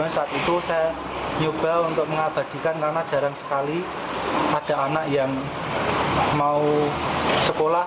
saya mencoba mengabadikan karena jarang sekali ada anak yang mau sekolah